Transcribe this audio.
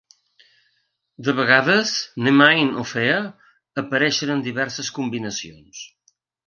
De vegades, Nemain o Fea apareixen en diverses combinacions.